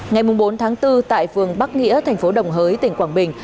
ngày bốn tháng bốn tại phường bắc nghĩa thành phố đồng hới tỉnh quảng bình